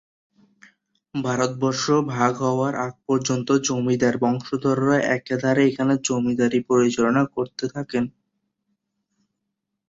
ভারতবর্ষ ভাগ হওয়ার আগ পর্যন্ত জমিদার বংশধররা একাধারে এখানে জমিদারী পরিচালনা করতে থাকেন।